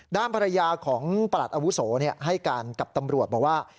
ด้านภรรยาของประหลัดอาวุโสให้การกับตำรวจบอกว่า